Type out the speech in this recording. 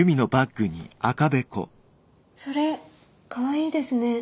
それかわいいですね。